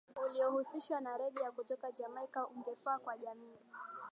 Uliohusishwa na rege ya kutoka Jamaica ungefaa kwa jamii